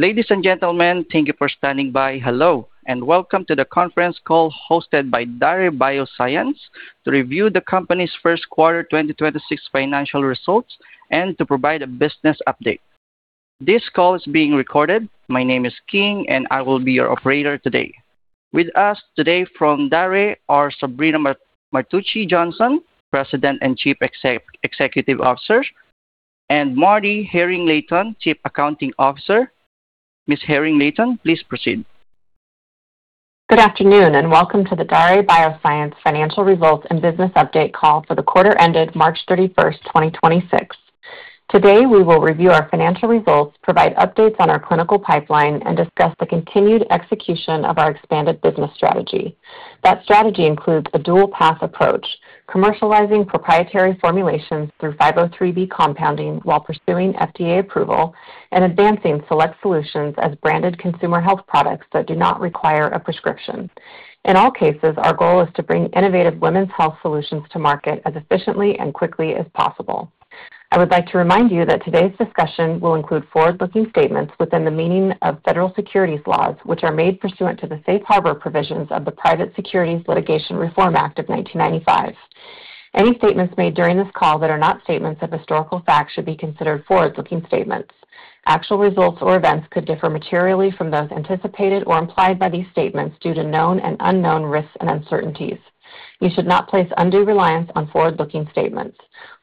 Ladies and gentlemen, thank you for standing by. Hello, and welcome to the conference call hosted by Daré Bioscience to review the company's first quarter 2026 financial results and to provide a business update. This call is being recorded. My name is King, and I will be your operator today. With us today from Daré are Sabrina Martucci Johnson, President and Chief Executive Officer, and MarDee Haring-Layton, Chief Accounting Officer. Ms. Haring-Layton, please proceed. Good afternoon, welcome to the Daré Bioscience financial results and business update call for the quarter ended March 31st, 2026. Today, we will review our financial results, provide updates on our clinical pipeline, and discuss the continued execution of our expanded business strategy. That strategy includes a dual path approach, commercializing proprietary formulations through 503B compounding while pursuing FDA approval and advancing select solutions as branded consumer health products that do not require a prescription. In all cases, our goal is to bring innovative women's health solutions to market as efficiently and quickly as possible. I would like to remind you that today's discussion will include forward-looking statements within the meaning of federal securities laws, which are made pursuant to the Safe Harbor provisions of the Private Securities Litigation Reform Act of 1995. Any statements made during this call that are not statements of historical fact should be considered forward-looking statements. Actual results or events could differ materially from those anticipated or implied by these statements due to known and unknown risks and uncertainties. You should not place undue reliance on forward-looking statements.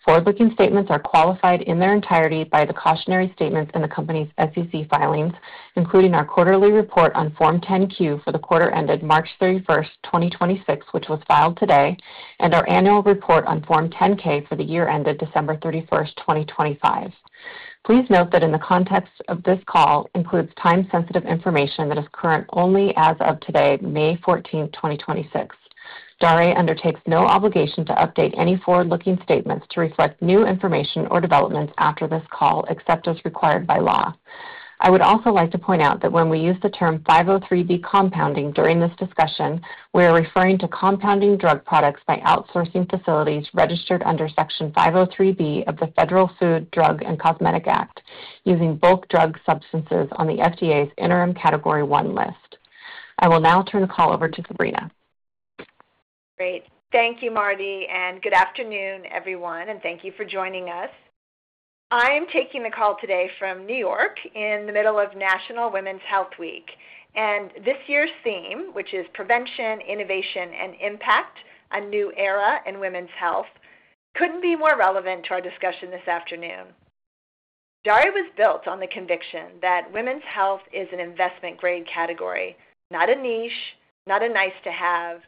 Forward-looking statements are qualified in their entirety by the cautionary statements in the company's SEC filings, including our quarterly report on Form 10-Q for the quarter ended March 31st, 2026, which was filed today, and our annual report on Form 10-K for the year ended December 31st, 2025. Please note that in the context of this call includes time-sensitive information that is current only as of today, May 14, 2026. Daré undertakes no obligation to update any forward-looking statements to reflect new information or developments after this call, except as required by law. I would also like to point out that when we use the term 503B compounding during this discussion, we are referring to compounding drug products by outsourcing facilities registered under Section 503B of the Federal Food, Drug, and Cosmetic Act using bulk drug substances on the FDA's interim Category 1 list. I will now turn the call over to Sabrina. Great. Thank you, MarDee, and good afternoon, everyone, and thank you for joining us. I am taking the call today from N.Y. in the middle of National Women's Health Week, and this year's theme, which is Prevention, Innovation, and Impact, A New Era in Women's Health, couldn't be more relevant to our discussion this afternoon. Daré was built on the conviction that women's health is an investment-grade category, not a niche, not a nice-to-have,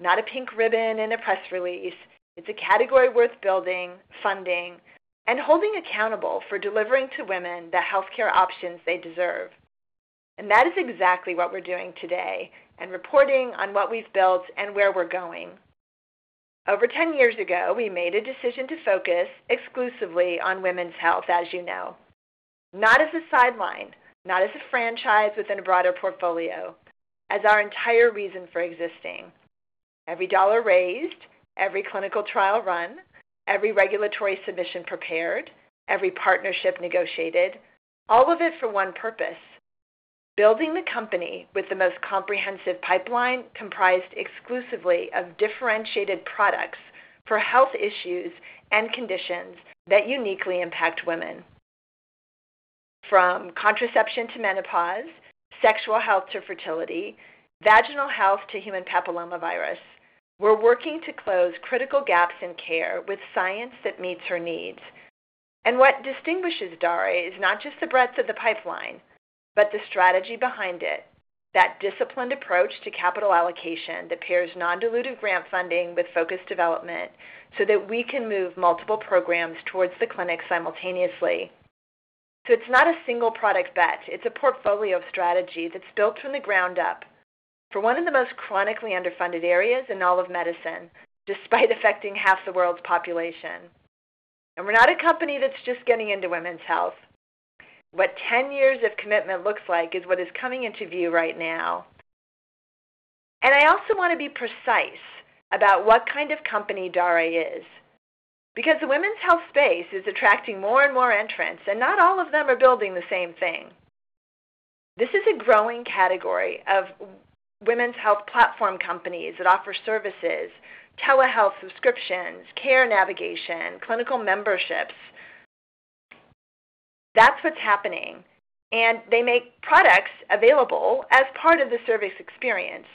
not a pink ribbon in a press release. It's a category worth building, funding, and holding accountable for delivering to women the healthcare options they deserve. That is exactly what we're doing today and reporting on what we've built and where we're going. Over 10 years ago, we made a decision to focus exclusively on women's health, as you know, not as a sideline, not as a franchise within a broader portfolio, as our entire reason for existing. Every dollar raised, every clinical trial run, every regulatory submission prepared, every partnership negotiated, all of it for one purpose, building the company with the most comprehensive pipeline comprised exclusively of differentiated products for health issues and conditions that uniquely impact women. From contraception to menopause, sexual health to fertility, vaginal health to human papillomavirus, we're working to close critical gaps in care with science that meets her needs. What distinguishes Daré is not just the breadth of the pipeline, but the strategy behind it. That disciplined approach to capital allocation that pairs non-dilutive grant funding with focused development, so that we can move multiple programs towards the clinic simultaneously. It's not a single product bet. It's a portfolio of strategies. It's built from the ground up for one of the most chronically underfunded areas in all of medicine, despite affecting half the world's population. We're not a company that's just getting into women's health. What 10 years of commitment looks like is what is coming into view right now. I also want to be precise about what kind of company Daré is because the women's health space is attracting more and more entrants, and not all of them are building the same thing. This is a growing category of women's health platform companies that offer services, telehealth subscriptions, care navigation, clinical memberships. That's what's happening, and they make products available as part of the service experience.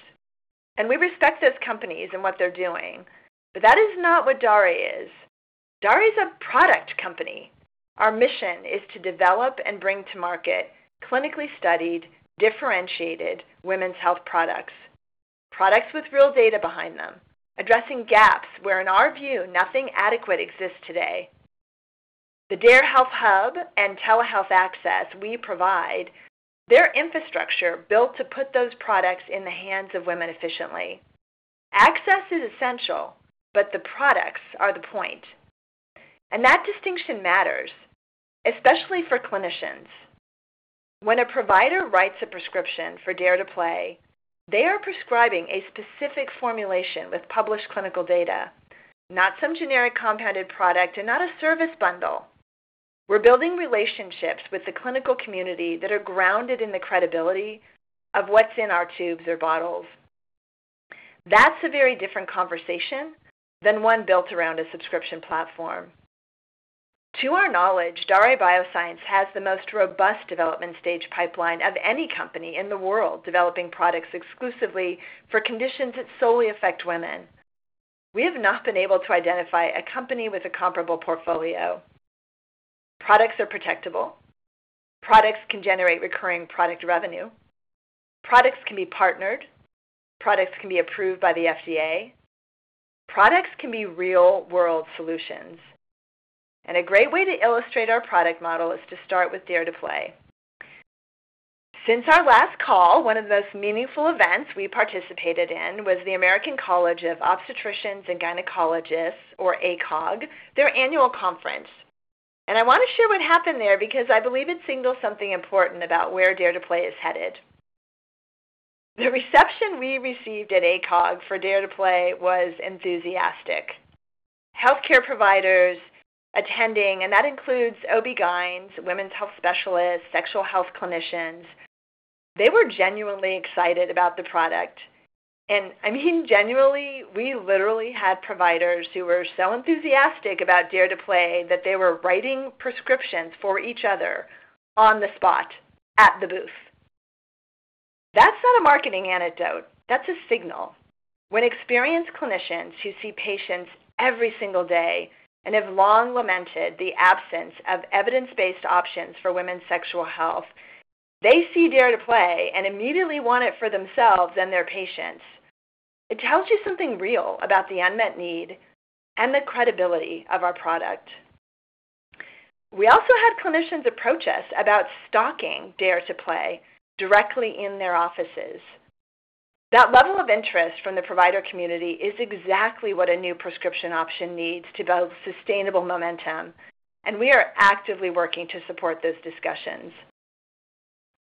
We respect those companies and what they're doing, but that is not what Daré is. Daré is a product company. Our mission is to develop and bring to market clinically studied, differentiated women's health products with real data behind them, addressing gaps where, in our view, nothing adequate exists today. The DARE Health Hub and telehealth access we provide, they're infrastructure built to put those products in the hands of women efficiently. Access is essential, but the products are the point, and that distinction matters, especially for clinicians. When a provider writes a prescription for DARE to PLAY, they are prescribing a specific formulation with published clinical data. Not some generic compounded product and not a service bundle. We're building relationships with the clinical community that are grounded in the credibility of what's in our tubes or bottles. That's a very different conversation than one built around a subscription platform. To our knowledge, Daré Bioscience has the most robust development stage pipeline of any company in the world developing products exclusively for conditions that solely affect women. We have not been able to identify a company with a comparable portfolio. Products are protectable. Products can generate recurring product revenue. Products can be partnered. Products can be approved by the FDA. Products can be real-world solutions. A great way to illustrate our product model is to start with DARE to PLAY. Since our last call, one of the most meaningful events we participated in was the American College of Obstetricians and Gynecologists, or ACOG, their annual conference. I want to share what happened there because I believe it signals something important about where DARE to PLAY is headed. The reception we received at ACOG for DARE to PLAY was enthusiastic. Healthcare providers attending, and that includes OB/GYNs, women's health specialists, sexual health clinicians, they were genuinely excited about the product. I mean, genuinely, we literally had providers who were so enthusiastic about DARE to PLAY that they were writing prescriptions for each other on the spot at the booth. That's not a marketing antidote. That's a signal. When experienced clinicians who see patients every single day, and have long lamented the absence of evidence-based options for women's sexual health, they see DARE to PLAY and immediately want it for themselves and their patients. It tells you something real about the unmet need and the credibility of our product. We also had clinicians approach us about stocking DARE to PLAY directly in their offices. That level of interest from the provider community is exactly what a new prescription option needs to build sustainable momentum, and we are actively working to support those discussions.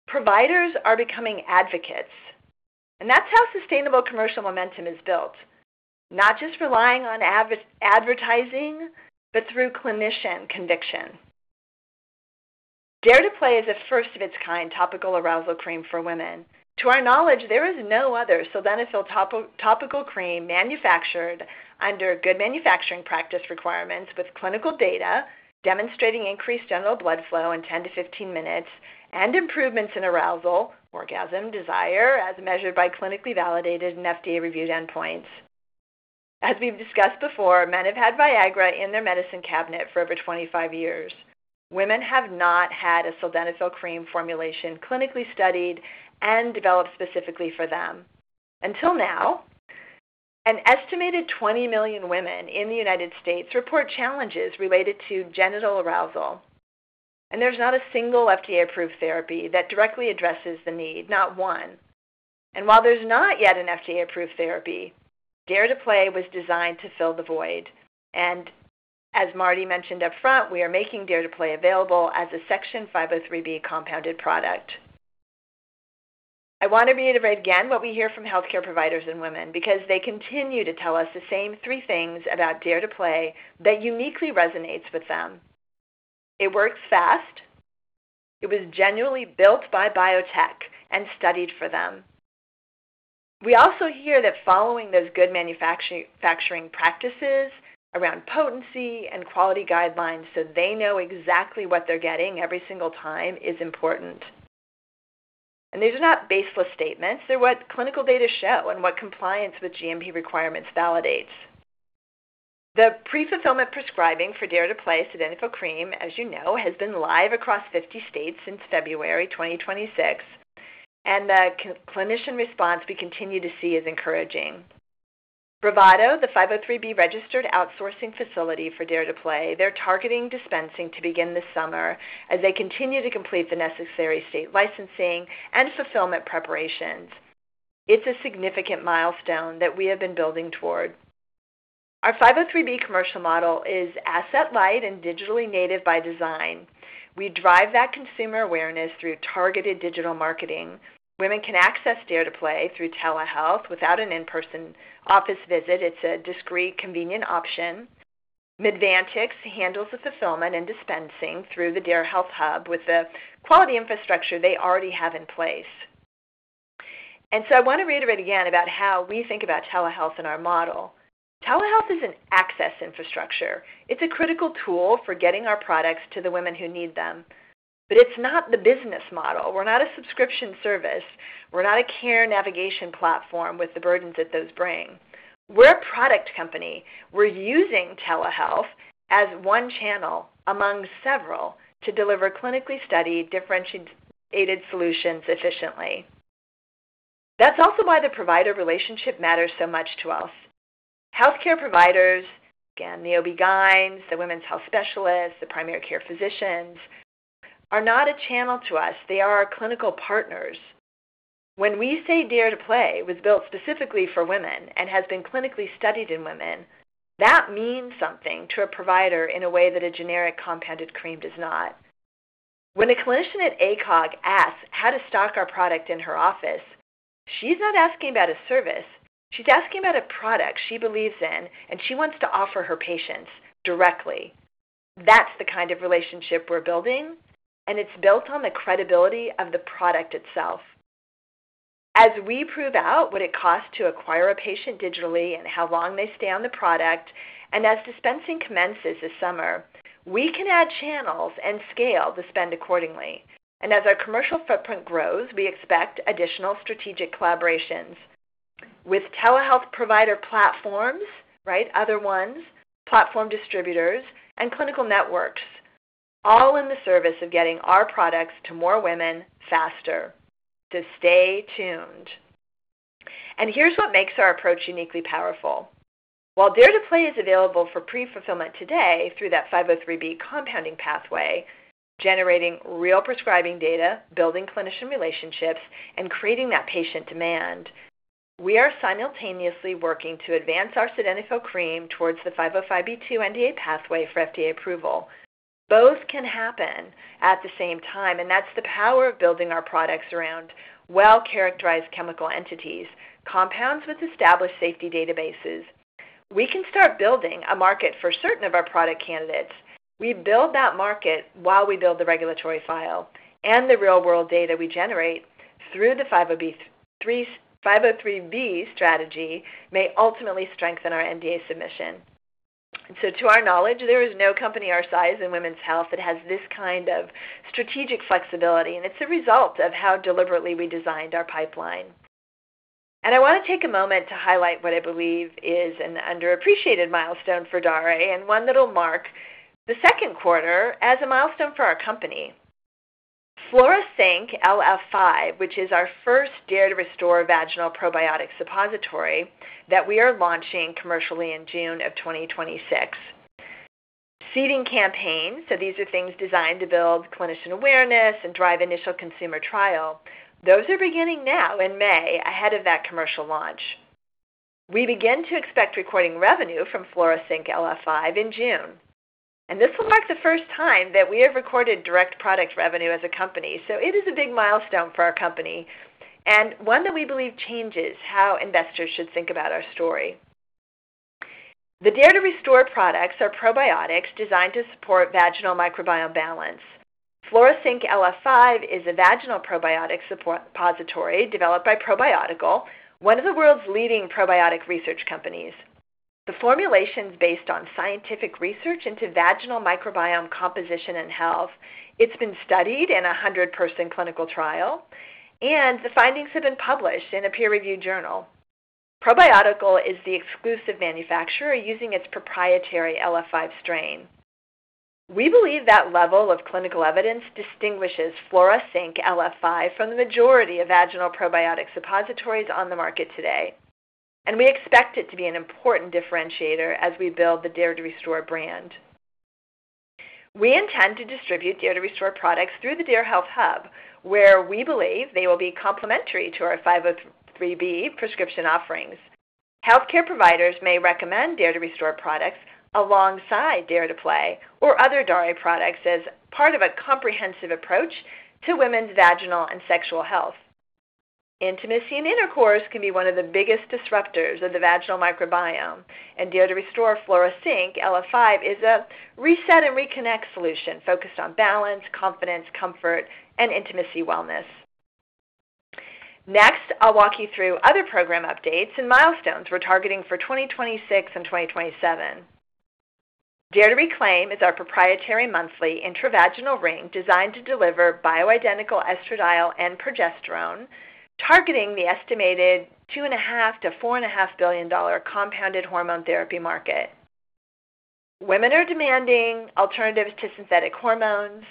Providers are becoming advocates. That's how sustainable commercial momentum is built, not just relying on advertising, but through clinician conviction. DARE to PLAY is a first of its kind topical arousal cream for women. To our knowledge, there is no other sildenafil topical cream manufactured under good manufacturing practice requirements with clinical data demonstrating increased genital blood flow in 10 to 15 minutes and improvements in arousal, orgasm, desire as measured by clinically validated and FDA-reviewed endpoints. As we've discussed before, men have had Viagra in their medicine cabinet for over 25 years. Women have not had a sildenafil cream formulation clinically studied and developed specifically for them until now. An estimated 20 million women in the U.S. report challenges related to genital arousal, there's not a single FDA-approved therapy that directly addresses the need, not one. While there's not yet an FDA-approved therapy, DARE to PLAY was designed to fill the void. As Marty mentioned up front, we are making DARE to PLAY available as a Section 503B compounded product. I want to reiterate again what we hear from healthcare providers and women because they continue to tell us the same three things about DARE to PLAY that uniquely resonates with them. It works fast. It was genuinely built by biotech and studied for them. We also hear that following those good manufacturing practices around potency and quality guidelines so they know exactly what they're getting every single time is important. These are not baseless statements. They're what clinical data show and what compliance with GMP requirements validates. The pre-fulfillment prescribing for DARE to PLAY sildenafil cream, as you know, has been live across 50 states since February 2026. The clinician response we continue to see is encouraging. Bravado, the 503B-registered outsourcing facility for DARE to PLAY, they're targeting dispensing to begin this summer as they continue to complete the necessary state licensing and fulfillment preparations. It's a significant milestone that we have been building toward. Our 503B commercial model is asset light and digitally native by design. We drive that consumer awareness through targeted digital marketing. Women can access DARE to PLAY through telehealth without an in-person offce visit. It's a discreet, convenient option. Medvantx handles the fulfillment and dispensing through the DARE Health Hub with the quality infrastructure they already have in place. I want to reiterate again about how we think about telehealth in our model. Telehealth is an access infrastructure. It's a critical tool for getting our products to the women who need them, but it's not the business model. We're not a subscription service. We're not a care navigation platform with the burdens that those bring. We're a product company. We're using telehealth as one channel among several to deliver clinically studied, differentiated solutions efficiently. That's also why the provider relationship matters so much to us. Healthcare providers, again, the OB/GYNs, the women's health specialists, the primary care physicians, are not a channel to us. They are our clinical partners. When we say DARE to PLAY was built specifically for women and has been clinically studied in women, that means to a provider in a way that a generic compounded cream does not. When a clinician at ACOG asks how to stock our product in her office, she's not asking about a service. She's asking about a product she believes in, and she wants to offer her patients directly. That's the kind of relationship we're building, and it's built on the credibility of the product itself. As we prove out what it costs to acquire a patient digitally and how long they stay on the product, and as dispensing commences this summer, we can add channels and scale to spend accordingly. As our commercial footprint grows, we expect additional strategic collaborations with telehealth provider platforms, right, other ones, platform distributors, and clinical networks, all in the service of getting our products to more women faster. Stay tuned. Here's what makes our approach uniquely powerful. While DARE to PLAY is available for pre-fulfillment today through that 503B compounding pathway, generating real prescribing data, building clinician relationships, and creating that patient demand, we are simultaneously working to advance our sildenafil cream towards the 505B2 NDA pathway for FDA approval. Both can happen at the same time, and that's the power of building our products around well-characterized chemical entities, compounds with established safety databases. We can start building a market for certain of our product candidates. We build that market while we build the regulatory file and the real-world data we generate through the 503B strategy may ultimately strengthen our NDA submission. To our knowledge, there is no company our size in women's health that has this kind of strategic flexibility, and it's a result of how deliberately we designed our pipeline. I want to take a moment to highlight what I believe is an underappreciated milestone for Daré, and one that'll mark the second quarter as a milestone for our company. Flora Sync LF5, which is our first DARE to RESTORE vaginal probiotic suppository that we are launching commercially in June 2026. Seeding campaigns, these are things designed to build clinician awareness and drive initial consumer trial. Those are beginning now in May ahead of that commercial launch. We begin to expect recording revenue from Flora Sync LF5 in June. This will mark the first time that we have recorded direct product revenue as a company. It is a big milestone for our company, and one that we believe changes how investors should think about our story. The DARE to RESTORE products are probiotics designed to support vaginal microbiome balance. Flora Sync LF5 is a vaginal probiotic suppository developed by Probiotical, one of the world's leading probiotic research companies. The formulation is based on scientific research into vaginal microbiome composition and health. It's been studied in a 100-person clinical trial, and the findings have been published in a peer-reviewed journal. Probiotical is the exclusive manufacturer using its proprietary LF5 strain. We believe that level of clinical evidence distinguishes Flora Sync LF5 from the majority of vaginal probiotic suppositories on the market today, and we expect it to be an important differentiator as we build the DARE to RESTORE brand. We intend to distribute DARE to RESTORE products through the DARE Health Hub, where we believe they will be complementary to our 503B prescription offerings. Healthcare providers may recommend DARE to RESTORE products alongside DARE to PLAY or other Daré products as part of a comprehensive approach to women's vaginal and sexual health. Intimacy and intercourse can be one of the biggest disruptors of the vaginal microbiome. DARE to RESTORE Flora Sync LF5 is a reset and reconnect solution focused on balance, confidence, comfort, and intimacy wellness. Next, I'll walk you through other program updates and milestones we're targeting for 2026 and 2027. DARE to RECLAIM is our proprietary monthly intravaginal ring designed to deliver bioidentical estradiol and progesterone, targeting the estimated $2.5 billion-$4.5 billion compounded hormone therapy market. Women are demanding alternatives to synthetic hormones.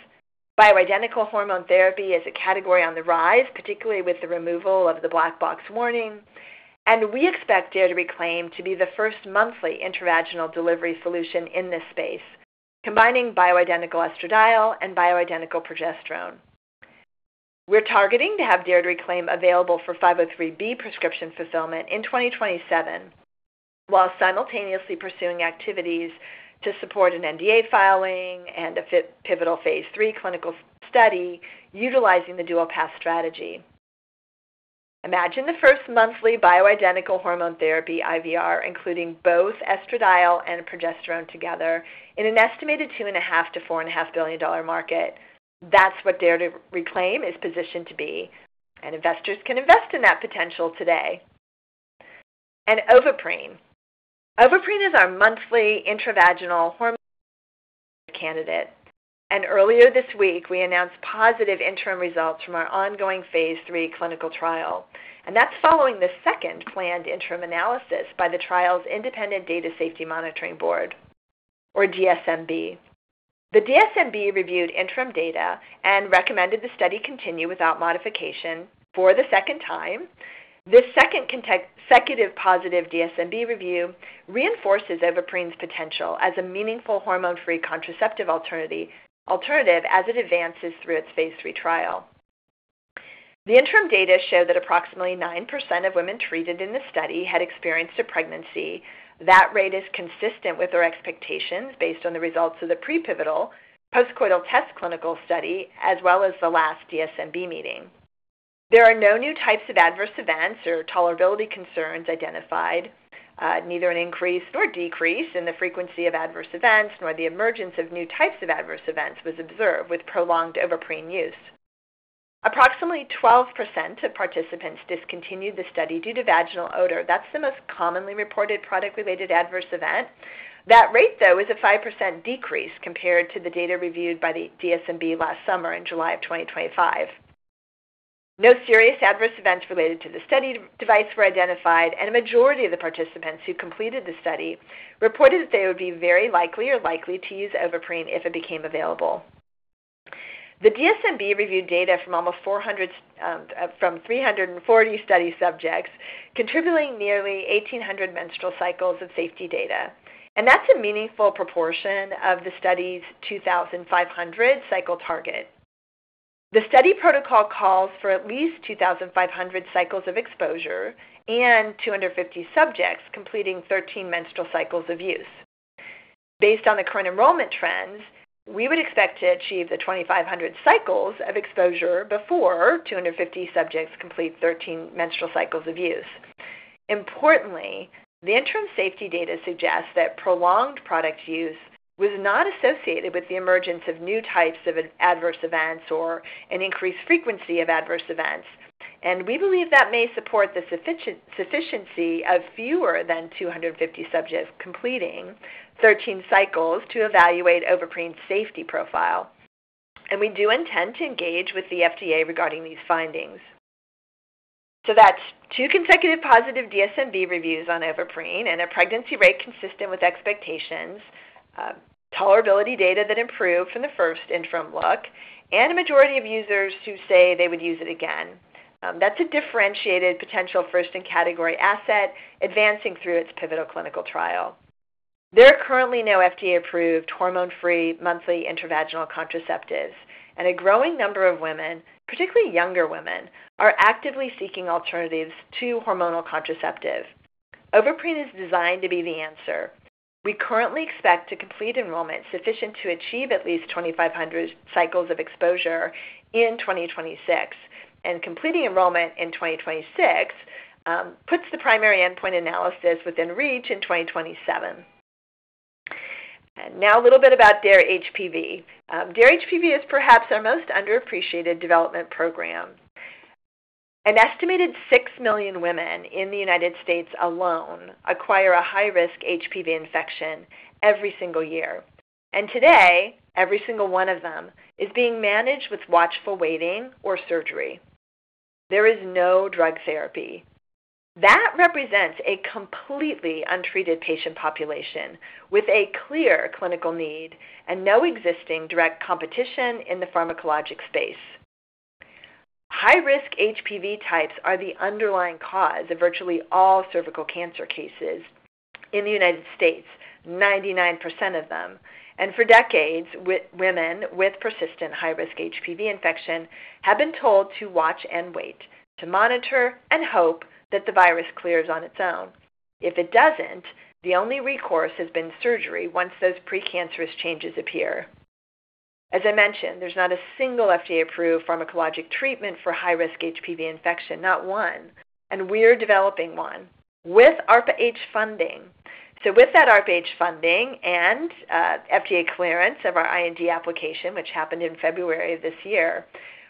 Bioidentical hormone therapy is a category on the rise, particularly with the removal of the black box warning. We expect DARE to RECLAIM to be the first monthly intravaginal delivery solution in this space, combining bioidentical estradiol and bioidentical progesterone. We're targeting to have DARE to RECLAIM available for 503B prescription fulfillment in 2027, while simultaneously pursuing activities to support an NDA filing and a pivotal phase III clinical study utilizing the dual-pass strategy. Imagine the first monthly bioidentical hormone therapy IVR, including both estradiol and progesterone together, in an estimated $2.5 billion-$4.5 billion market. That's what DARE to RECLAIM is positioned to be, and investors can invest in that potential today. Ovaprene. Ovaprene is our monthly intravaginal hormone candidate, and earlier this week, we announced positive interim results from our ongoing phase III clinical trial, and that's following the second planned interim analysis by the trial's independent data safety monitoring board, or DSMB. The DSMB reviewed interim data and recommended the study continue without modification for the second time. This second consecutive positive DSMB review reinforces Ovaprene's potential as a meaningful hormone-free contraceptive alternative as it advances through its phase III trial. The interim data show that approximately 9% of women treated in the study had experienced a pregnancy. That rate is consistent with our expectations based on the results of the pre-pivotal postcoital test clinical study, as well as the last DSMB meeting. There are no new types of adverse events or tolerability concerns identified. Neither an increase nor decrease in the frequency of adverse events, nor the emergence of new types of adverse events was observed with prolonged Ovaprene use. Approximately 12% of participants discontinued the study due to vaginal odor. That's the most commonly reported product-related adverse event. That rate, though, is a 5% decrease compared to the data reviewed by the DSMB last summer in July of 2025. No serious adverse events related to the study device were identified, and a majority of the participants who completed the study reported that they would be very likely or likely to use Ovaprene if it became available. The DSMB reviewed data from almost 400, from 340 study subjects, contributing nearly 1,800 menstrual cycles of safety data, and that's a meaningful proportion of the study's 2,500-cycle target. The study protocol calls for at least 2,500 cycles of exposure and 250 subjects completing 13 menstrual cycles of use. Based on the current enrollment trends, we would expect to achieve the 2,500 cycles of exposure before 250 subjects complete 13 menstrual cycles of use. Importantly, the interim safety data suggests that prolonged product use was not associated with the emergence of new types of adverse events or an increased frequency of adverse events, and we believe that may support the sufficiency of fewer than 250 subjects completing 13 cycles to evaluate Ovaprene's safety profile. We do intend to engage with the FDA regarding these findings. That's two consecutive positive DSMB reviews on Ovaprene and a pregnancy rate consistent with expectations, tolerability data that improved from the first interim look, and a majority of users who say they would use it again. That's a differentiated potential first-in-category asset advancing through its pivotal clinical trial. There are currently no FDA-approved hormone-free monthly intravaginal contraceptives, and a growing number of women, particularly younger women, are actively seeking alternatives to hormonal contraceptive. Ovaprene is designed to be the answer. We currently expect to complete enrollment sufficient to achieve at least 2,500 cycles of exposure in 2026, and completing enrollment in 2026 puts the primary endpoint analysis within reach in 2027. Now a little bit about DARE-HPV. DARE-HPV is perhaps our most underappreciated development program. An estimated 6 million women in the U.S. alone acquire a high-risk HPV infection every single year, and today, every single one of them is being managed with watchful waiting or surgery. There is no drug therapy. That represents a completely untreated patient population with a clear clinical need and no existing direct competition in the pharmacologic space. High-risk HPV types are the underlying cause of virtually all cervical cancer cases in the U.S., 99% of them. For decades, women with persistent high-risk HPV infection have been told to watch and wait, to monitor and hope that the virus clears on its own. If it doesn't, the only recourse has been surgery once those precancerous changes appear. As I mentioned, there's not a single FDA-approved pharmacologic treatment for high-risk HPV infection, not one. We're developing one with ARPA-H funding. With that ARPA-H funding, FDA clearance of our IND application, which happened in February of this year,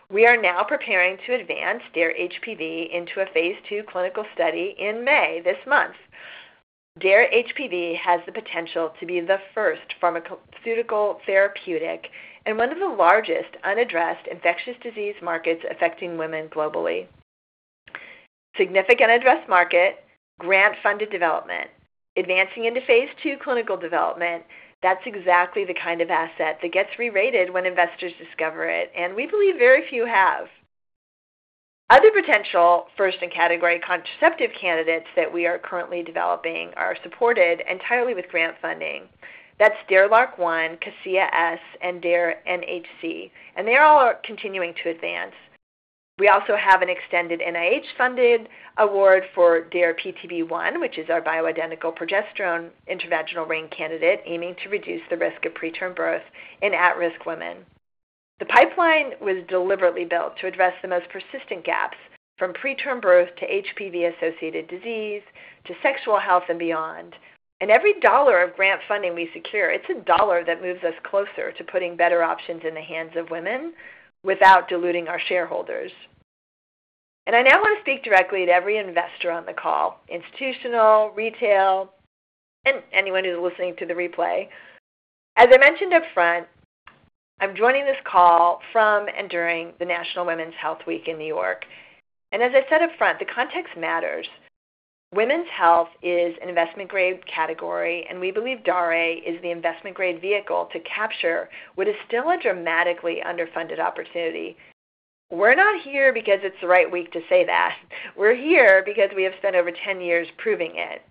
we are now preparing to advance DARE-HPV into a phase II clinical study in May, this month. DARE-HPV has the potential to be the first pharmaceutical therapeutic in one of the largest unaddressed infectious disease markets affecting women globally. Significant addressed market, grant-funded development, advancing into phase II clinical development. That's exactly the kind of asset that gets re-rated when investors discover it, and we believe very few have. Other potential first-in-category contraceptive candidates that we are currently developing are supported entirely with grant funding. That's DARE-LARC1, Casea S3, and DARE-NHC. They all are continuing to advance. We also have an extended NIH-funded award for DARE-PTB1, which is our bioidentical progesterone intravaginal ring candidate aiming to reduce the risk of preterm birth in at-risk women. The pipeline was deliberately built to address the most persistent gaps, from preterm birth to HPV-associated disease to sexual health and beyond. Every $1 of grant funding we secure, it's a $1 that moves us closer to putting better options in the hands of women without diluting our shareholders. I now want to speak directly to every investor on the call, institutional, retail, and anyone who's listening to the replay. As I mentioned upfront, I'm joining this call from and during the National Women's Health Week in New York. As I said up front, the context matters. Women's health is an investment-grade category, and we believe Daré is the investment-grade vehicle to capture what is still a dramatically underfunded opportunity. We're not here because it's the right week to say that. We're here because we have spent over 10 years proving it.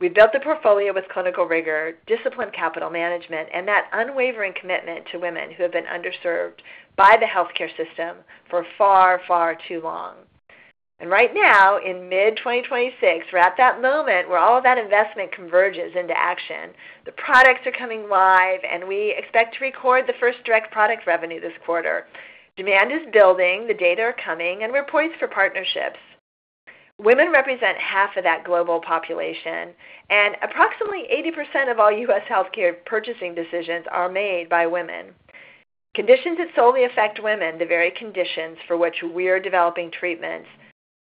We built the portfolio with clinical rigor, disciplined capital management, and that unwavering commitment to women who have been underserved by the healthcare system for far, far too long. Right now, in mid-2026, we're at that moment where all of that investment converges into action. The products are coming live, and we expect to record the first direct product revenue this quarter. Demand is building, the data are coming, and we're poised for partnerships. Women represent 1/2 of that global population. Approximately 80% of all U.S. healthcare purchasing decisions are made by women. Conditions that solely affect women, the very conditions for which we are developing treatments,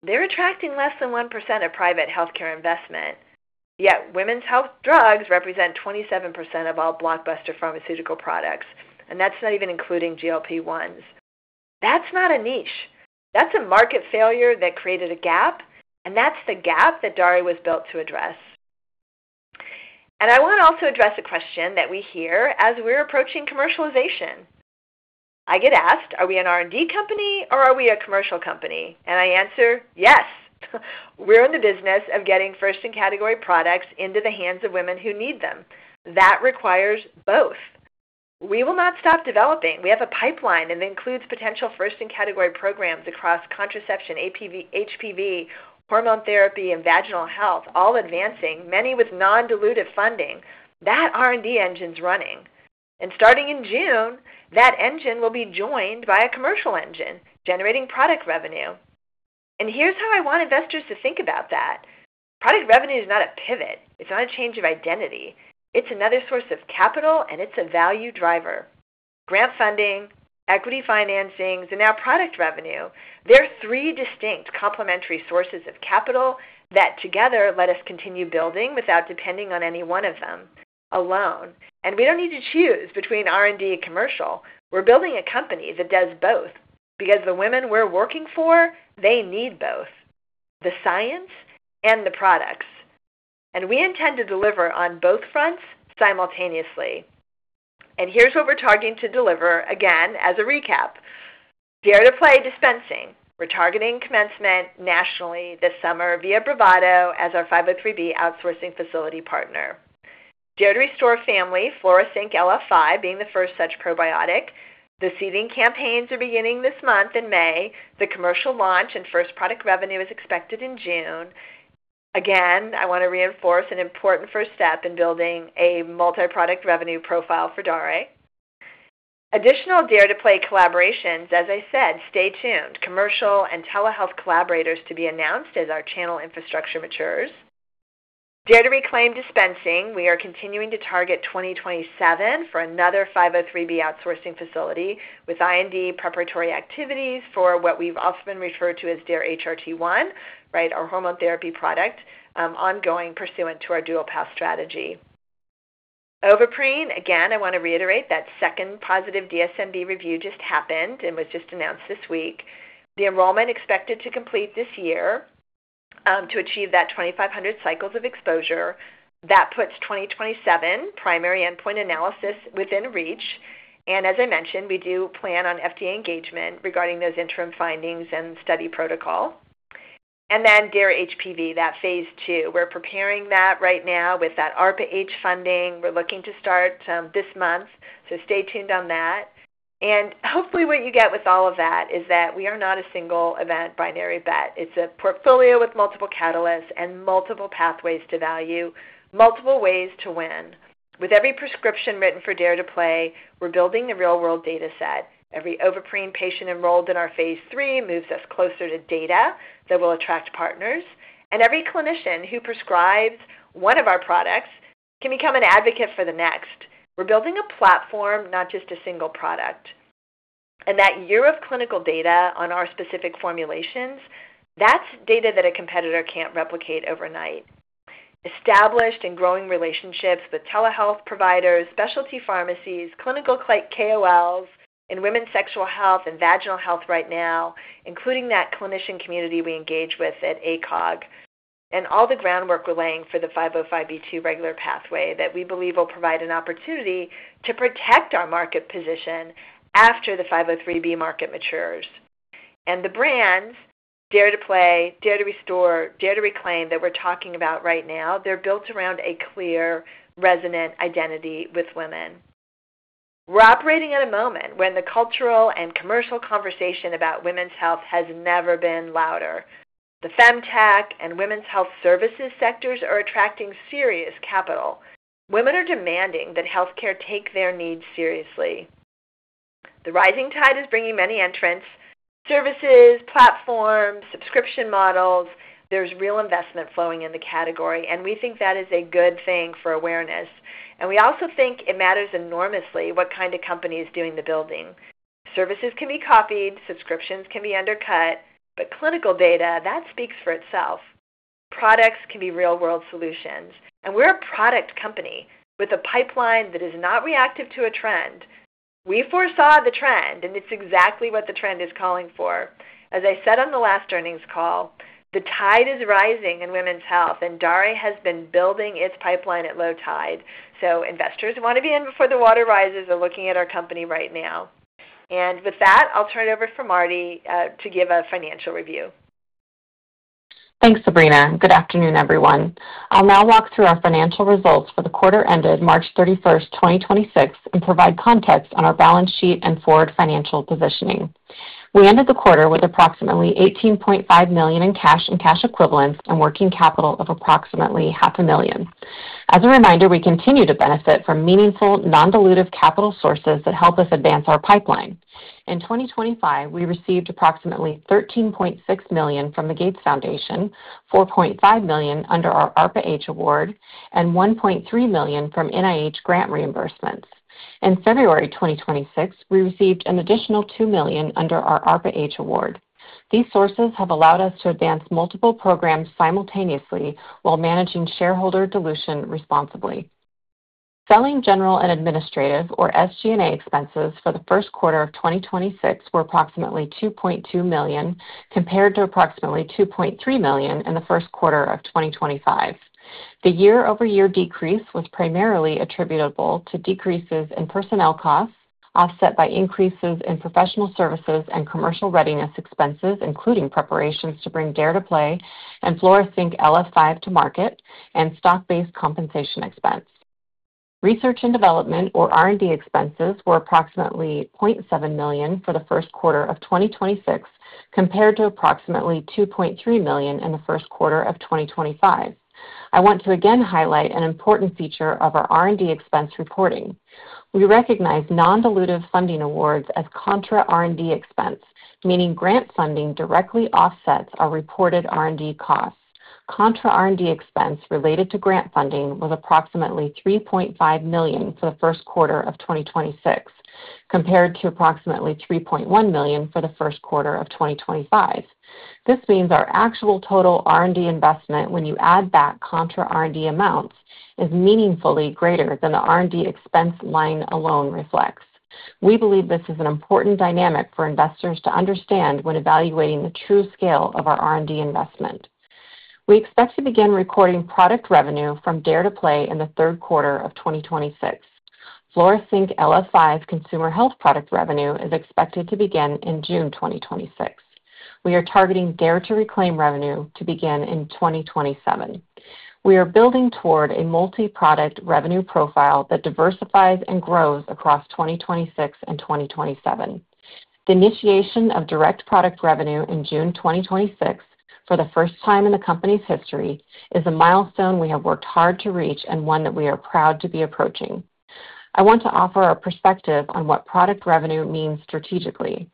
they're attracting less than 1% of private healthcare investment. Women's health drugs represent 27% of all blockbuster pharmaceutical products, and that's not even including GLP-1s. That's not a niche. That's a market failure that created a gap, and that's the gap that Daré was built to address. I want to also address a question that we hear as we're approaching commercialization. I get asked, are we an R&D company or are we a commercial company? I answer, yes. We're in the business of getting first-in-category products into the hands of women who need them. That requires both. We will not stop developing. We have a pipeline that includes potential first-in-category programs across contraception, HPV, hormone therapy, and vaginal health, all advancing, many with non-dilutive funding. That R&D engine's running. Starting in June, that engine will be joined by a commercial engine, generating product revenue. Here's how I want investors to think about that. Product revenue is not a pivot. It's not a change of identity. It's another source of capital, and it's a value driver. Grant funding, equity financings, and now product revenue. They're three distinct complementary sources of capital that together let us continue building without depending on any one of them alone. We don't need to choose between R&D and commercial. We're building a company that does both because the women we're working for, they need both, the science and the products. We intend to deliver on both fronts simultaneously. Here's what we're targeting to deliver again as a recap. DARE to PLAY dispensing. We're targeting commencement nationally this summer via Bravado as our 503B outsourcing facility partner. DARE to RESTORE family, Flora Sync LF5 being the first such probiotic. The seeding campaigns are beginning this month in May. The commercial launch and first product revenue is expected in June. I want to reinforce an important first step in building a multi-product revenue profile for Daré. Additional DARE to PLAY collaborations, as I said, stay tuned. Commercial and telehealth collaborators to be announced as our channel infrastructure matures. DARE to RECLAIM dispensing. We are continuing to target 2027 for another 503B outsourcing facility with IND preparatory activities for what we've often referred to as DARE-HRT1, right, our hormone therapy product, ongoing pursuant to our dual path strategy. Ovaprene, again, I want to reiterate that second positive DSMB review just happened and was just announced this week. The enrollment expected to complete this year to achieve that 2,500 cycles of exposure. That puts 2027 primary endpoint analysis within reach. As I mentioned, we do plan on FDA engagement regarding those interim findings and study protocol. Then DARE-HPV, that phase II. We're preparing that right now with that ARPA-H funding. We're looking to start this month. Stay tuned on that. Hopefully, what you get with all of that is that we are not a single-event binary bet. It's a portfolio with multiple catalysts and multiple pathways to value, multiple ways to win. With every prescription written for DARE to PLAY, we're building the real-world data set. Every Ovaprene patient enrolled in our phase III moves us closer to data that will attract partners. Every clinician who prescribes one of our products can become an advocate for the next. We're building a platform, not just a single product. That year of clinical data on our specific formulations, that's data that a competitor can't replicate overnight. Established and growing relationships with telehealth providers, specialty pharmacies, clinical KOLs in women's sexual health and vaginal health right now, including that clinician community we engage with at ACOG. All the groundwork we're laying for the 505B2 regular pathway that we believe will provide an opportunity to protect our market position after the 503B market matures. The brands, DARE to PLAY, DARE to RESTORE, DARE to RECLAIM that we're talking about right now, they're built around a clear resonant identity with women. We're operating at a moment when the cultural and commercial conversation about women's health has never been louder. The femtech and women's health services sectors are attracting serious capital. Women are demanding that healthcare take their needs seriously. The rising tide is bringing many entrants, services, platforms, subscription models. There's real investment flowing in the category. We think that is a good thing for awareness. We also think it matters enormously what kind of company is doing the building. Services can be copied, subscriptions can be undercut, but clinical data, that speaks for itself. Products can be real-world solutions. We're a product company with a pipeline that is not reactive to a trend. We foresaw the trend, and it's exactly what the trend is calling for. As I said on the last earnings call, the tide is rising in women's health and Daré has been building its pipeline at low tide. Investors want to be in before the water rises are looking at our company right now. With that, I'll turn it over for Marty to give a financial review. Thanks, Sabrina. Good afternoon, everyone. I'll now walk through our financial results for the quarter ended March 31st, 2026, and provide context on our balance sheet and forward financial positioning. We ended the quarter with approximately $18.5 million in cash and cash equivalents and working capital of approximately half a million. As a reminder, we continue to benefit from meaningful non-dilutive capital sources that help us advance our pipeline. In 2025, we received approximately $13.6 million from the Gates Foundation, $4.5 million under our ARPA-H award, and $1.3 million from NIH grant reimbursements. In February 2026, we received an additional $2 million under our ARPA-H award. These sources have allowed us to advance multiple programs simultaneously while managing shareholder dilution responsibly. Selling, general, and administrative or SG&A expenses for the first quarter of 2026 were approximately $2.2 million, compared to approximately $2.3 million in the first quarter of 2025. The year-over-year decrease was primarily attributable to decreases in personnel costs, offset by increases in professional services and commercial readiness expenses, including preparations to bring DARE to PLAY and Flora Sync LF5 to market and stock-based compensation expense. Research and development or R&D expenses were approximately $0.7 million for the first quarter of 2026, compared to approximately $2.3 million in the first quarter of 2025. I want to again highlight an important feature of our R&D expense reporting. We recognize non-dilutive funding awards as contra R&D expense, meaning grant funding directly offsets our reported R&D costs. Contra R&D expense related to grant funding was approximately $3.5 million for the first quarter of 2026, compared to approximately $3.1 million for the first quarter of 2025. This means our actual total R&D investment when you add back contra R&D amounts is meaningfully greater than the R&D expense line alone reflects. We believe this is an important dynamic for investors to understand when evaluating the true scale of our R&D investment. We expect to begin recording product revenue from DARE to PLAY in the third quarter of 2026. Flora Sync LF5 consumer health product revenue is expected to begin in June 2026. We are targeting DARE to RECLAIM revenue to begin in 2027. We are building toward a multi-product revenue profile that diversifies and grows across 2026 and 2027. The initiation of direct product revenue in June 2026 for the first time in the company's history is a milestone we have worked hard to reach, and one that we are proud to be approaching. I want to offer our perspective on what product revenue means strategically.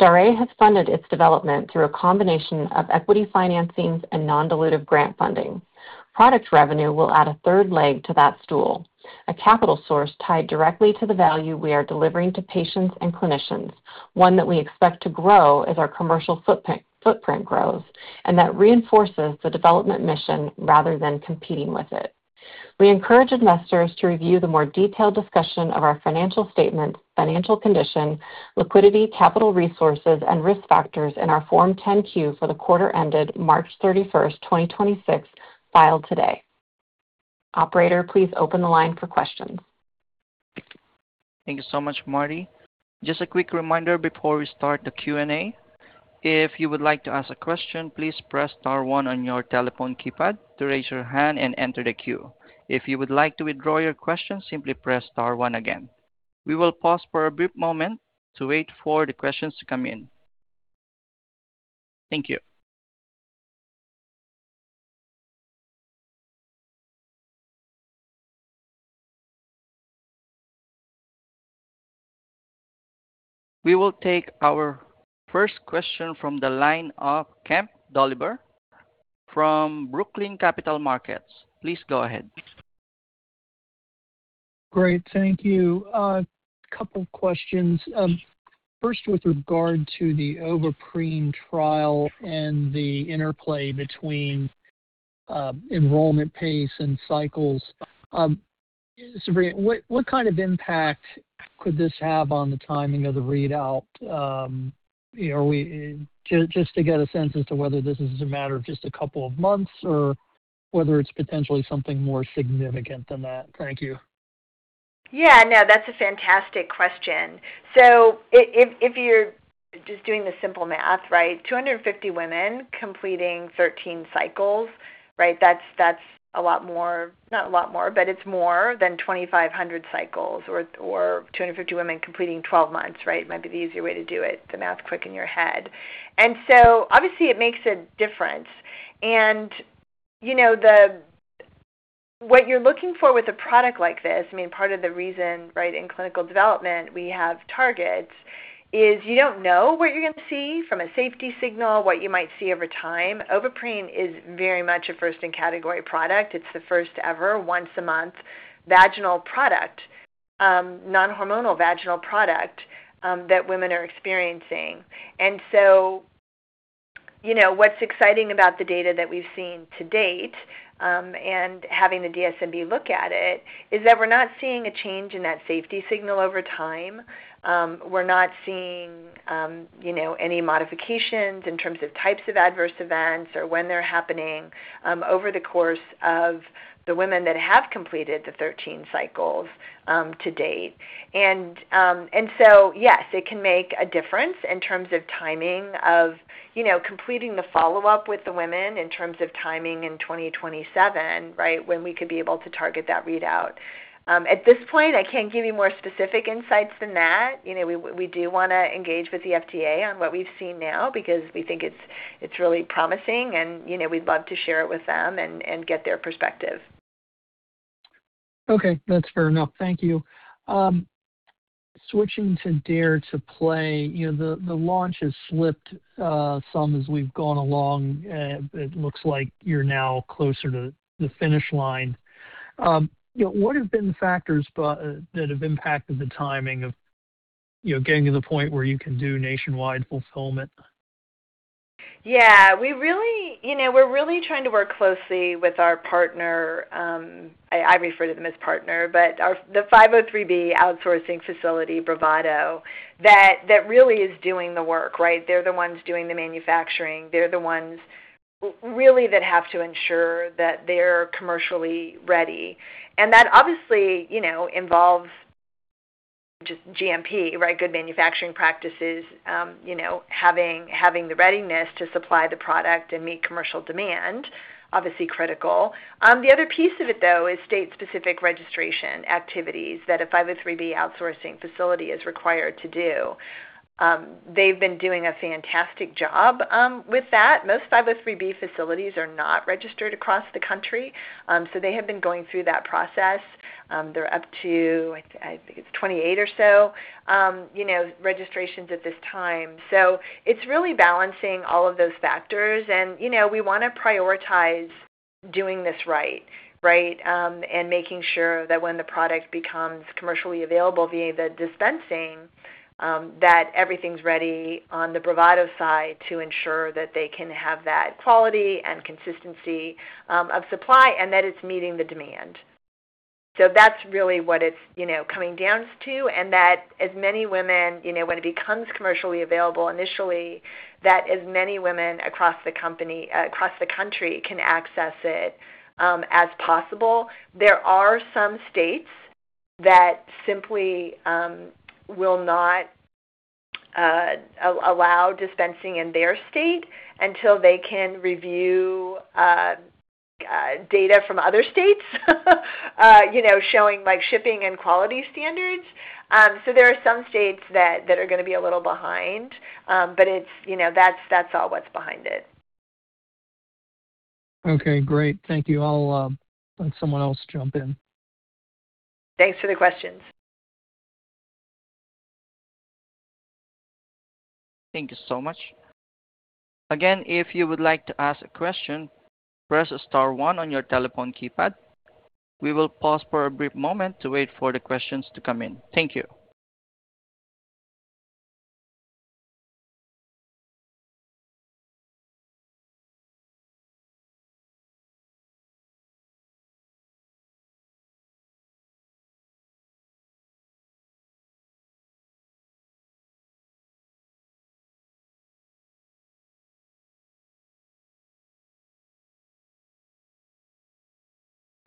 Daré has funded its development through a combination of equity financings and non-dilutive grant funding. Product revenue will add a third leg to that stool, a capital source tied directly to the value we are delivering to patients and clinicians, one that we expect to grow as our commercial footprint grows, and that reinforces the development mission rather than competing with it. We encourage investors to review the more detailed discussion of our financial statements, financial condition, liquidity, capital resources, and risk factors in our Form 10-Q for the quarter ended March 31st, 2026, filed today. Operator, please open the line for questions. Thank you so much, Marty. Just a quick reminder before we start the Q&A. If you would like to ask a question, please press star one on your telephone keypad to raise your hand and enter the queue. If you would like to withdraw your question, simply press star, one again. We will pause for a brief moment to wait for the questions to come in. Thank you. We will take our first question from the line of Kemp Dolliver from Brookline Capital Markets. Please go ahead. Great. Thank you. couple questions. first, with regard to the Ovaprene trial and the interplay between enrollment pace and cycles. Sabrina, what kind of impact could this have on the timing of the readout? you know, are we Just to get a sense as to whether this is a matter of just a couple of months or whether it's potentially something more significant than that? Thank you. Yeah. No, that's a fantastic question. If you're just doing the simple math, right, 250 women completing 13 cycles, right? That's a lot more, not a lot more, but it's more than 2,500 cycles or 250 women completing 12 months, right? Might be the easier way to do it, the math quick in your head. Obviously, it makes a difference. You know, what you're looking for with a product like this, I mean, part of the reason, right, in clinical development we have targets is you don't know what you're going to see from a safety signal, what you might see over time. Ovaprene is very much a first-in-category product. It's the first ever once-a-month vaginal product, non-hormonal vaginal product, that women are experiencing. You know, what's exciting about the data that we've seen to date, and having the DSMB look at it is that we're not seeing a change in that safety signal over time. We're not seeing, you know, any modifications in terms of types of adverse events or when they're happening over the course of the women that have completed the 13 cycles to date. Yes, it can make a difference in terms of timing of, you know, completing the follow-up with the women in terms of timing in 2027, right, when we could be able to target that readout. At this point, I can't give you more specific insights than that. You know, we do want to engage with the FDA on what we've seen now because we think it's really promising and, you know, we'd love to share it with them and get their perspective. Okay, that's fair enough. Thank you. Switching to DARE to PLAY, you know, the launch has slipped some as we've gone along. It looks like you're now closer to the finish line. You know, what have been the factors that have impacted the timing of, you know, getting to the point where you can do nationwide fulfillment? Yeah. You know, we're really trying to work closely with our partner, I refer to them as partner, but the 503B outsourcing facility, Bravado, that really is doing the work, right? They're the ones doing the manufacturing. They're the ones really that have to ensure that they're commercially ready. That obviously, you know, involves just GMP, right, good manufacturing practices, you know, having the readiness to supply the product and meet commercial demand, obviously critical. The other piece of it, though, is state-specific registration activities that a 503B outsourcing facility is required to do. They've been doing a fantastic job with that. Most 503B facilities are not registered across the country, they have been going through that process. They're up to, I think it's 28 or so, you know, registrations at this time. It's really balancing all of those factors and, you know, we want to prioritize doing this right, and making sure that when the product becomes commercially available via the dispensing, that everything's ready on the Bravado side to ensure that they can have that quality and consistency of supply and that it's meeting the demand. That's really what it's, you know, coming down to, and that as many women, you know, when it becomes commercially available initially, that as many women across the country can access it as possible. There are some states that simply will not allow dispensing in their state until they can review data from other states, you know, showing like shipping and quality standards. There are some states that are going to be a little behind, but you know, that's all what's behind it. Okay, great. Thank you. I'll let someone else jump in. Thanks for the questions. Thank you so much. Again, if you would like to ask a question, press star, one on your telephone keypad. We will pause for a brief moment to wait for the questions to come in. Thank you.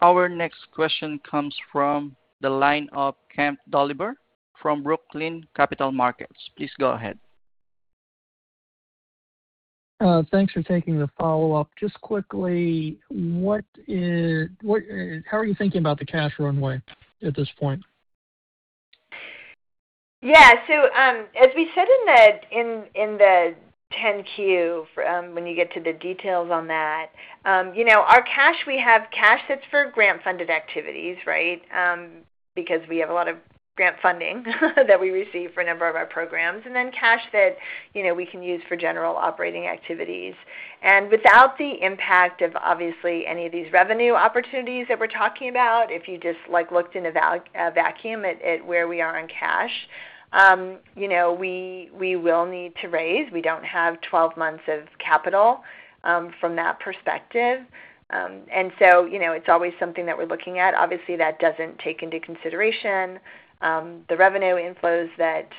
Our next question comes from the line of Kemp Dolliver from Brookline Capital Markets. Please go ahead. Thanks for taking the follow-up. Just quickly, how are you thinking about the cash runway at this point? Yeah. As we said in the 10-Q, when you get to the details on that, you know, our cash, we have cash that's for grant-funded activities, right, because we have a lot of grant funding that we receive for a number of our programs, and then cash that, you know, we can use for general operating activities. Without the impact of obviously any of these revenue opportunities that we're talking about, if you just like looked in a vacuum at where we are on cash, you know, we will need to raise. We don't have 12 months of capital from that perspective. You know, it's always something that we're looking at. Obviously, that doesn't take into consideration the revenue inflows that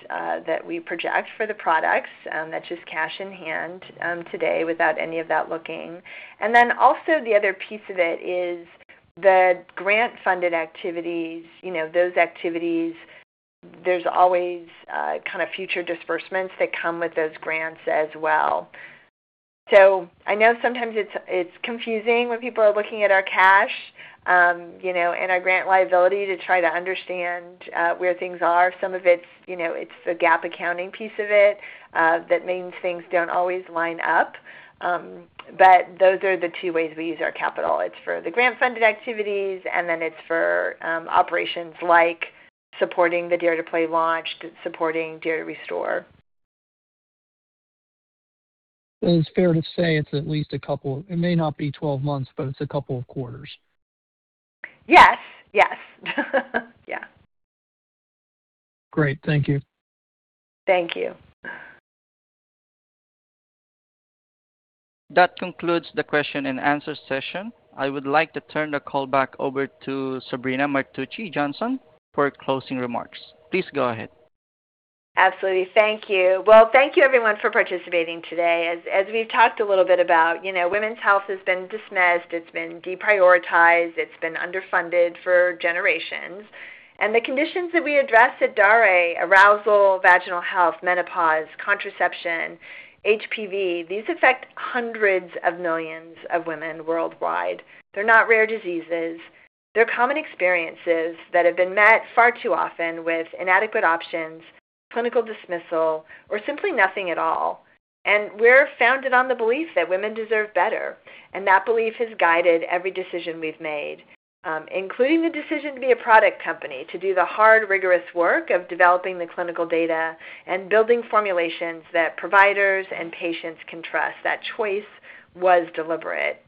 we project for the products, that's just cash in hand today without any of that looking. Also, the other piece of it is the grant-funded activities, you know, those activities, there's always a kind of future disbursements that come with those grants as well. I know sometimes it's confusing when people are looking at our cash, you know, and our grant liability to try to understand where things are. Some of it's, you know, it's the GAAP accounting piece of it, that means things don't always line up. Those are the two ways we use our capital. It's for the grant-funded activities, and then it's for operations like supporting the DARE to PLAY launch, supporting DARE to RESTORE. It's fair to say it's at least a couple. It may not be 12 months, but it's a couple of quarters. Yes. Great. Thank you. Thank you. That concludes the question-and-answer session. I would like to turn the call back over to Sabrina Martucci Johnson for closing remarks. Please go ahead. Absolutely. Thank you. Well, thank you everyone for participating today. As we've talked a little bit about, you know, women's health has been dismissed, it's been deprioritized, it's been underfunded for generations. The conditions that we address at Daré, arousal, vaginal health, menopause, contraception, HPV, these affect hundreds of millions of women worldwide. They're not rare diseases. They're common experiences that have been met far too often with inadequate options, clinical dismissal, or simply nothing at all. We're founded on the belief that women deserve better, and that belief has guided every decision we've made, including the decision to be a product company, to do the hard, rigorous work of developing the clinical data and building formulations that providers and patients can trust. That choice was deliberate.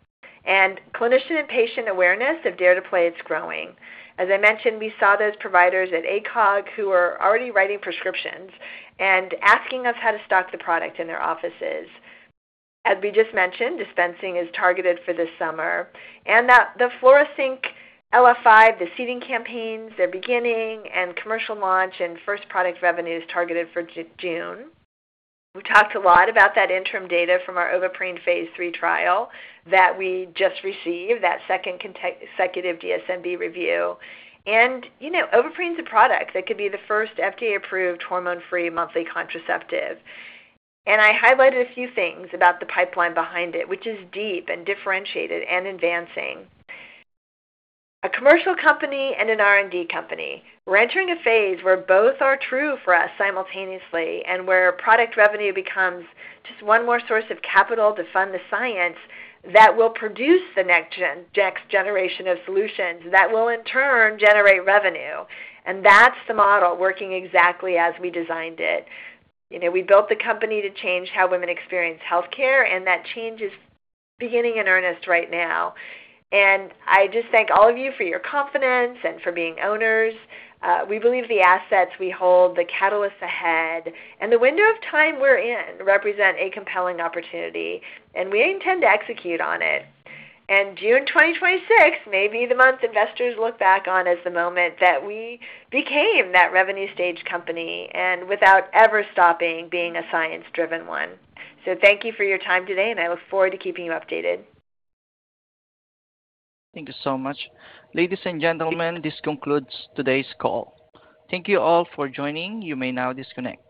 Clinician and patient awareness of DARE to PLAY is growing. As I mentioned, we saw those providers at ACOG who are already writing prescriptions and asking us how to stock the product in their offices. As we just mentioned, dispensing is targeted for this summer, the Flora Sync LF5, the seeding campaigns, they're beginning, commercial launch and first product revenue is targeted for June. We talked a lot about that interim data from our Ovaprene phase III trial that we just received, that second consecutive DSMB review. You know, Ovaprene's a product that could be the first FDA-approved hormone-free monthly contraceptive. I highlighted a few things about the pipeline behind it, which is deep and differentiated and advancing. A commercial company and an R&D company. We're entering a phase where both are true for us simultaneously, and where product revenue becomes just one more source of capital to fund the science that will produce the next generation of solutions that will in turn generate revenue. That's the model working exactly as we designed it. You know, we built the company to change how women experience healthcare, and that change is beginning in earnest right now. I just thank all of you for your confidence and for being owners. We believe the assets we hold, the catalysts ahead, and the window of time we're in represent a compelling opportunity, and we intend to execute on it. June 2026 may be the month investors look back on as the moment that we became that revenue stage company, and without ever stopping being a science-driven one. Thank you for your time today, and I look forward to keeping you updated. Thank you so much. Ladies and gentlemen, this concludes today's call. Thank you all for joining. You may now disconnect.